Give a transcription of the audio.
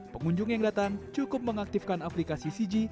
pengunjung yang datang cukup mengaktifkan aplikasi cg